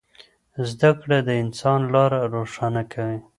زده کړه د انسان لاره روښانه کوي.